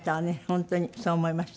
本当にそう思いました。